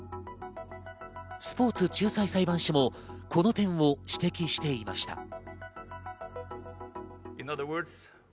スポーツ仲裁裁判所も、この点を指摘していました。